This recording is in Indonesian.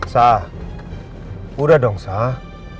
sah udah dong sah